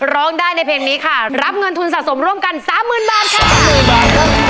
ร้องได้ได้เพลงนี้ค่ะรับเงินทุนสะสอบร่วมกันสามหมื่นบาท้า